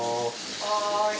はい。